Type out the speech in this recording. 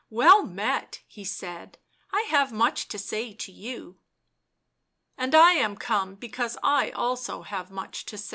" Well met," he said. " I have much to say to you." <i And I am come because I also have much to say."